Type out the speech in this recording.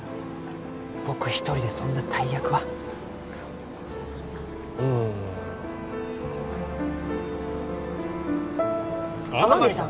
僕一人でそんな大役はうん天海さん！